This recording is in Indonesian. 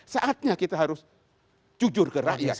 saatnya kita harus jujur ke rakyat